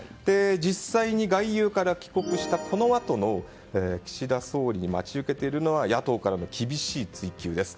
実際に外遊から帰国したこのあとの岸田総理に待ち受けているのは野党からの厳しい追及です。